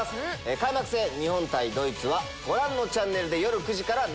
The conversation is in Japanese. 開幕戦日本対ドイツはご覧のチャンネルで夜９時から生中継！